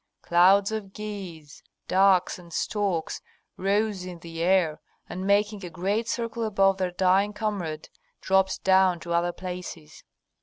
Clouds of geese, ducks, and storks rose in the air, and making a great circle above their dying comrade, dropped down to other places.